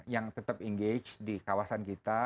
yang tetap engage di kawasan kita